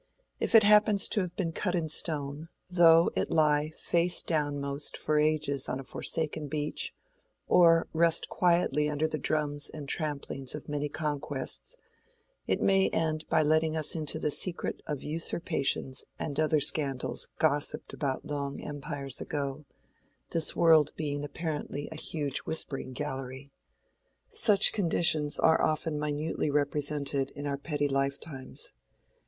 If it happens to have been cut in stone, though it lie face down most for ages on a forsaken beach, or "rest quietly under the drums and tramplings of many conquests," it may end by letting us into the secret of usurpations and other scandals gossiped about long empires ago:—this world being apparently a huge whispering gallery. Such conditions are often minutely represented in our petty lifetimes.